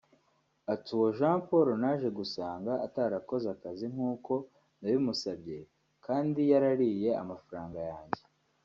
Ati “Uwo Jean Paul naje gusanga atarakoze akazi nk’uko nabimusabye kandi yarariye amafaranga yanjye